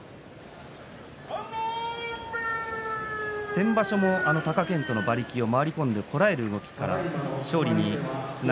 先場所も貴健斗の馬力を回り込んで、こらえました。